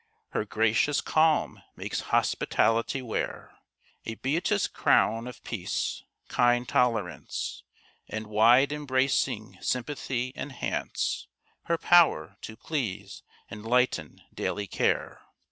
Her gracious calm makes hospitality wear A beauteous crown of peace. Kind tolerance And wide embracing sympathy enhance Her power to please and lighten daily care.